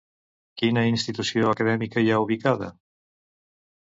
Quina institució acadèmica hi ha ubicada?